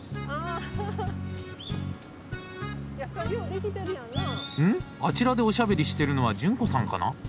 あちらでおしゃべりしてるのは潤子さんかな？